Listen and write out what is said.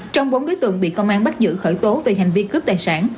trong bốn đối tượng bị công an bắt giữ khởi tố về hành vi cướp tài sản